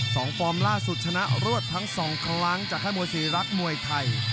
ฟอร์มล่าสุดชนะรวดทั้งสองครั้งจากค่ายมวยศรีรักษ์มวยไทย